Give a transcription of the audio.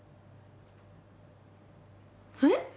えっ？